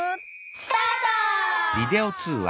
スタート！